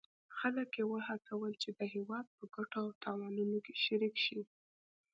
خلک یې وهڅول چې د هیواد په ګټو او تاوانونو کې شریک شي.